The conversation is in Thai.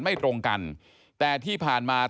ไม่ตรงกันแต่ที่ผ่านมา